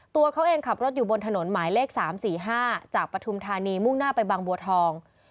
ตัวเขาเองขับรถอยู่บนถนนหมายเลข๓๔๕จากปฐุมธานีมุ่งหน้าไปบางบัวทอง